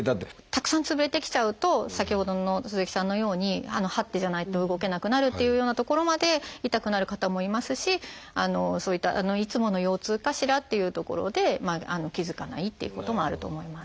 たくさんつぶれてきちゃうと先ほどの鈴木さんのようにはってじゃないと動けなくなるっていうようなところまで痛くなる方もいますしそういったいつもの腰痛かしらっていうところで気付かないっていうこともあると思います。